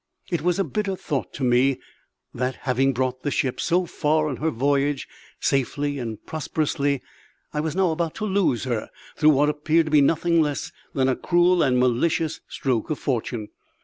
It was a bitter thought to me that, having brought the ship so far on her voyage, safely and prosperously, I was now about to lose her through what appeared to be nothing less than a cruel and malicious stroke of fortune.